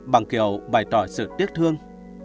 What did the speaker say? bằng kiểu bày tỏ sự tiếc thương